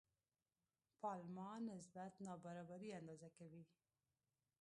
پالما نسبت نابرابري اندازه کوي.